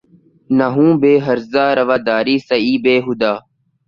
نہ ہو بہ ہرزہ روادارِ سعیء بے ہودہ